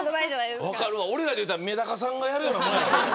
俺らで言うたらめだかさんがやるようなもん。